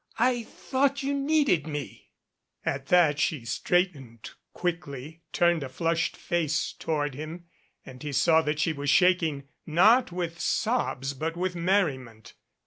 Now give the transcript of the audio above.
I thought you needed me " At that she straightened quickly, turned a flushed face toward him and he saw that she was shaking, not with sobs, but with merriment.